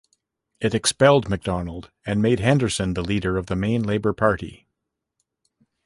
It expelled MacDonald and made Henderson the leader of the main Labour party.